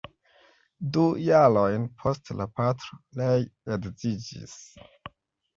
Du jarojn poste la patro ree edziĝis.